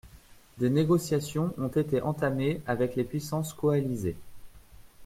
Des négociations ont été entamées avec les puissances coalisées.